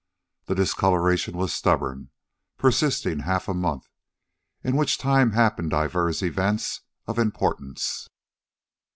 The discoloration was stubborn, persisting half a month, in which time happened divers events of importance.